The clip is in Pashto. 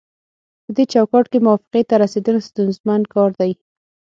پدې چوکاټ کې موافقې ته رسیدل ستونزمن کار دی